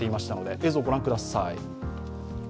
映像、御覧ください。